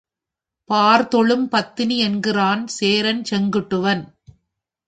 பார் தொழும் பத்தினி என்கிறான் சேரன் செங்குட்டுவன்.